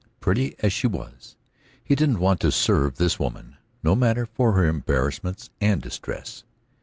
Pretty as she was, he didn't want to serve this woman, no matter for her embarrassments and distress.